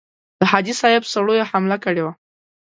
د حاجي صاحب سړیو حمله کړې وه.